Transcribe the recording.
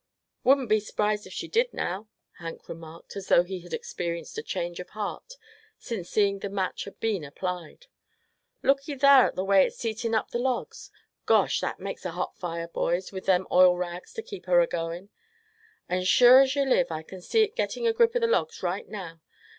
"Wouldn't be s'prised if she did, now?" Hank remarked, as though he had experienced a change of heart since the match had been applied. "Looky thar at the way it's eatin' up the logs. Gosh! that makes a hot fire, boys, with them oil rags to keep her a goin'. And sure as yuh live I c'n see it getting a grip o' the logs right now.